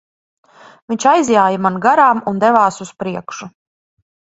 Viņš aizjāja man garām un devās uz priekšu.